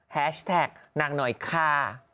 แฮชแท็กนางหน่อยค่ะ